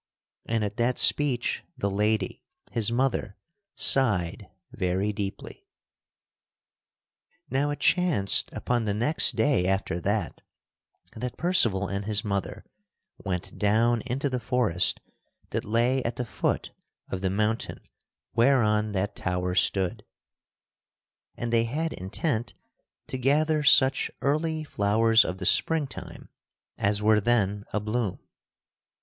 And at that speech the lady, his mother, sighed very deeply. Now it chanced upon the next day after that that Percival and his mother went down into the forest that lay at the foot of the mountain whereon that tower stood, and they had intent to gather such early flowers of the spring time as were then abloom.